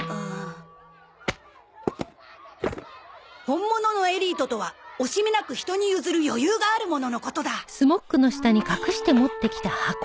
本物のエリートとは惜しみなく人に譲る余裕がある者のことだ。